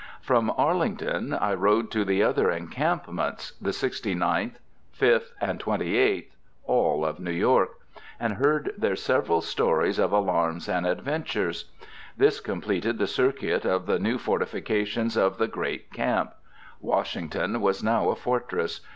From Arlington I rode to the other encampments, the Sixty Ninth, Fifth, and Twenty Eighth, all of New York, and heard their several stories of alarms and adventures. This completed the circuit of the new fortification of the Great Camp. Washington was now a fortress.